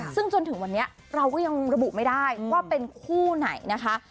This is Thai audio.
ซึ่งจนถึงวันนี้เราก็ยังระบุไม่ได้ว่าเป็นคู่ไหนนะคะ